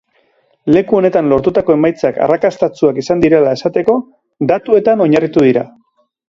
Leku honetan lortutako emaitzak arrakastatsuak izan direla esateko, datuetan oinarritu dira.